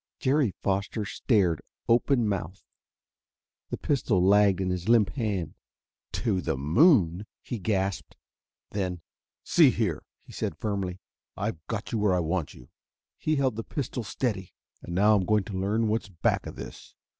Jerry Foster stared, open mouthed. The pistol lagged in his limp hand. "To the moon!" he gasped. Then: "See here," he said firmly. "I've got you where I want you." he held the pistol steady "and now I'm going to learn what's back of this.